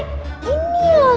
ini loh tungkatnya disini